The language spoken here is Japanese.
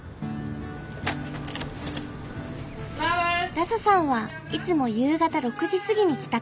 ラサさんはいつも夕方６時過ぎに帰宅。